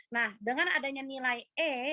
nah dengan adanya nilai e